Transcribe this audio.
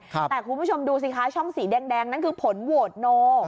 แต่คุณผู้ชมดูสิคะช่องสีแดงนั่นคือผลโหวตโน